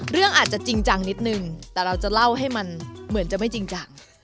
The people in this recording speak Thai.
เรื่องอาจจะจริงจังนิดนึงแต่เราจะเล่าให้มันเหมือนจะไม่จริงจัง